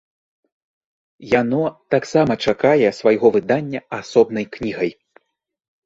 Яно таксама чакае свайго выдання асобнай кнігай.